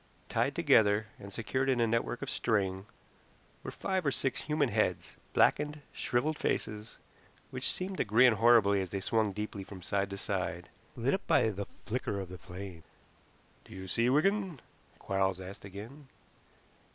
Tied together, and secured in a network of string, were five or six human heads, blackened, shriveled faces, which seemed to grin horribly as they swung deeply from side to side, lit up by the flicker of the flames. "Do you see, Wigan?" Quarles asked again.